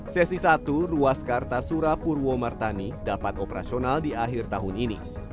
sesi satu ruas karta surapurwo martani dapat operasional di akhir tahun ini